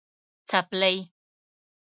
🩴څپلۍ